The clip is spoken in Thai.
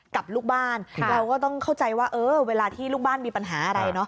กับลูกบ้านเราก็ต้องเข้าใจว่าเออเวลาที่ลูกบ้านมีปัญหาอะไรเนาะ